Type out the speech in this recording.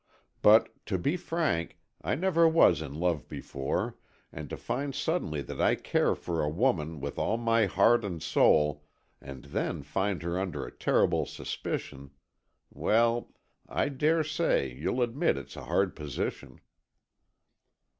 But, to be frank, I never was in love before, and to find suddenly that I care for a woman with all my heart and soul, and then find her under a terrible suspicion—well, I daresay you'll admit it is a hard position."